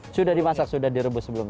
sudah dimasak sudah direbus sebelumnya